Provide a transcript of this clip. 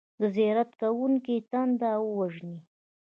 د زیارت کوونکو تنده ووژني.